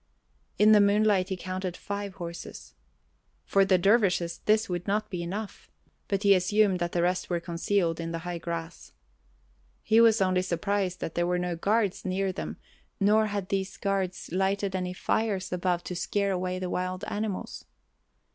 In the moonlight he counted five horses. For the dervishes this would not be enough, but he assumed that the rest were concealed in the high grass. He was only surprised that there were no guards near them nor had these guards lighted any fires above to scare away the wild animals.